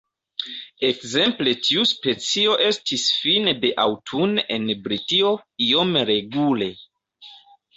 Ekzemple tiu specio estis fine de aŭtune en Britio iome regule.